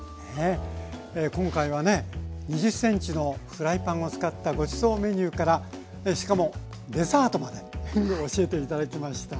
今回はね２０ｃｍのフライパンを使ったごちそうメニューからしかもデザートまで教えて頂きました。